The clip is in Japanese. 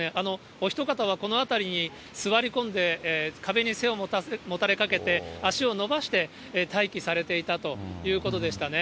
お一方はこの辺りに座り込んで壁に背をもたれかけて、足を伸ばして待機されていたということでしたね。